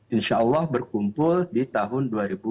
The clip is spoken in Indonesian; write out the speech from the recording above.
insyaallah berkumpul di tahun dua ribu dua puluh tiga